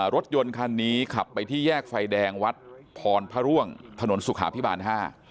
รถยนต์คันนี้ขับไปที่แยกไฟแดงวัดพรพระร่วงถนนสุขาพิบาลห้า